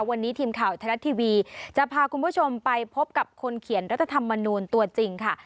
วันนี้ทีมข่าวไทยรัฐทีวีจะพาคุณผู้ชมไปพบกับคนเขียนรัฐธรรมนูลตัวจริงค่ะ